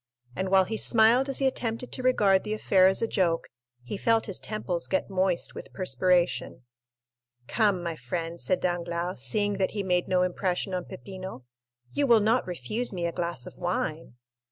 And while he smiled as he attempted to regard the affair as a joke, he felt his temples get moist with perspiration. "Come, my friend," said Danglars, seeing that he made no impression on Peppino, "you will not refuse me a glass of wine?"